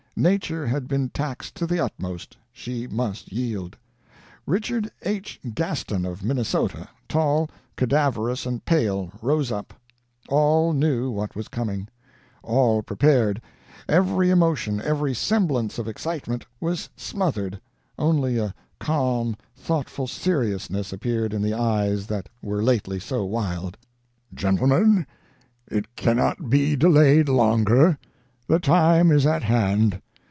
Nature had been taxed to the utmost she must yield. RICHARD H. GASTON of Minnesota, tall, cadaverous, and pale, rose up. All knew what was coming. All prepared every emotion, every semblance of excitement was smothered only a calm, thoughtful seriousness appeared in the eyes that were lately so wild. "'Gentlemen: It cannot be delayed longer! The time is at hand!